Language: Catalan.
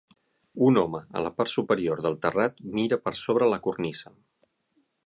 Un home a la part superior del terrat mira per sobre la cornisa.